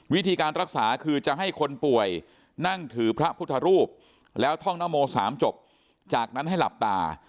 วิธีการรักษาคือจะให้คนป่วยนั่งถือพระพุทธรูปแล้วท่องนโม๓จบจากนั้นให้หลับตา